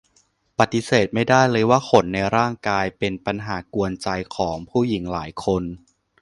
ปฎิเสธไม่ได้เลยว่าขนในร่างกายเป็นปัญหากวนใจของผู้หญิงหลายคน